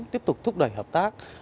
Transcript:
tiếp tục thúc đẩy hợp tác